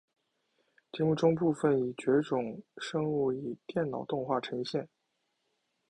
节目中部分已绝种生物以电脑动画呈现。